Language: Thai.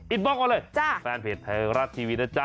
บล็อกเอาเลยแฟนเพจไทยรัฐทีวีนะจ๊